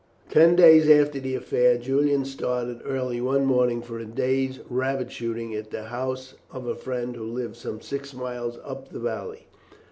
Ten days after the affair Julian started early one morning for a day's rabbit shooting at the house of a friend who lived some six miles up the valley.